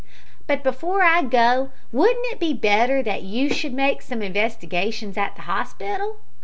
But before I go wouldn't it be better that you should make some inwestigations at the hospital?"